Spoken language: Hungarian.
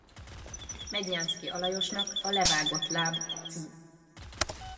Mednyánszky Alajosnak A levágott láb cz.